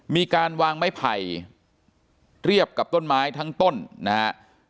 มีการวางไม้ไผ่เรียบกับต้นไม้ทั้งต้นนะฮะ